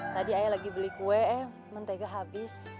tadi ayah lagi beli kue eh mentega habis